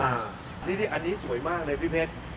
อันนี้สวยมากเลยพี่เพชร